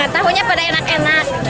tahunya pada enak enak